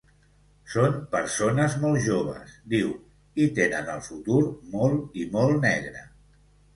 Són persones molt joves, diu i tenen el futur molt i molt negre.